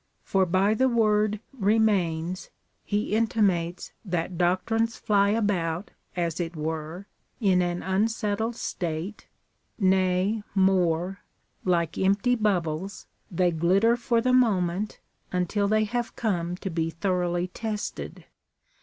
For by the word remains, he intimates that doctrines fly about as it were in an unsettled state, nay more, like emj)ty bubbles, they glitter for the moment, until they have come to be thoroughly tested.